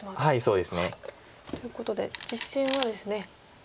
そうですね。ということで実戦はですね。